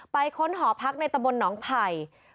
ค้นหอพักในตะบนหนองไผ่